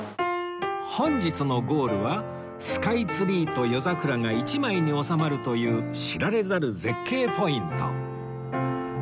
本日のゴールはスカイツリーと夜桜が一枚に収まるという知られざる絶景ポイント